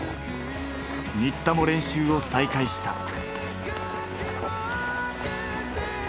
新田も練習を再開した。